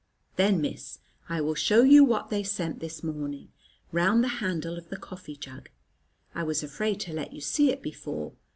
"Then, Miss, I will show you what they sent this morning, round the handle of the coffee jug. I was afraid to let you see it before."